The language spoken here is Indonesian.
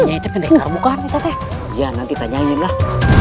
nyanyi terkendali karungkan kita teh ya nanti tanyain lah